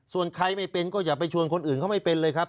ส่วนใครไม่เป็นก็อย่าไปชวนคนอื่นเขาไม่เป็นเลยครับ